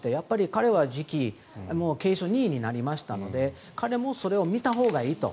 彼は今、継承２位になりましたので彼もそれを見たほうがいいと。